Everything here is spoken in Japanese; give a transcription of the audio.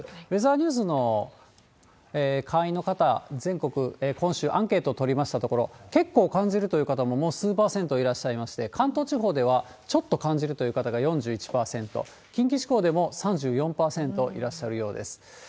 ウェザーニュースの会員の方、全国今週アンケートを取りましたところ、結構感じるという方も、もう数％いらっしゃいまして、関東地方ではちょっと感じるという方が４１％、近畿地方でも３４％いらっしゃるようです。